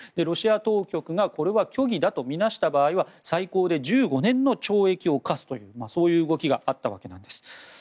ロシア当局がこれは虚偽だと見なした場合は最高で１５年の懲役を科すというそういう動きがあったわけです。